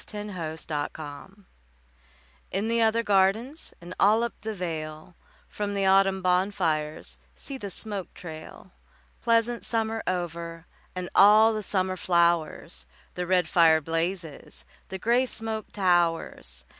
VI Autumn Fires In the other gardens And all up the vale, From the autumn bonfires See the smoke trail! Pleasant summer over And all the summer flowers, The red fire blazes, The grey smoke towers.